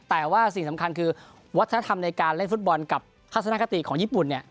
แต่ว่าสิ่งสำคัญคือวัฒนธรรมในการเล่นฟุตบอลกับทัศนคติของญี่ปุ่นเนี่ย